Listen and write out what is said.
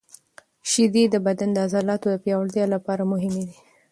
شیدې د بدن د عضلاتو د پیاوړتیا لپاره مهمې دي.